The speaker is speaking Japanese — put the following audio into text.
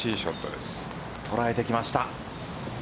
捉えてきました。